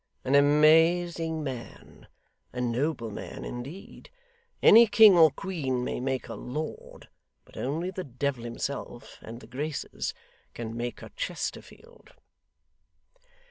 An amazing man! a nobleman indeed! any King or Queen may make a Lord, but only the Devil himself and the Graces can make a Chesterfield.